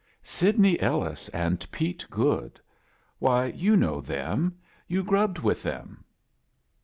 "Sidney Ellis and Pete Goode. Why, you know them; you grubbed with them."